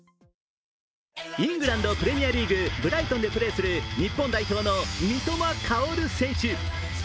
イングランドプレミアリーグ・ブライトンでプレーする日本代表の三笘薫選手。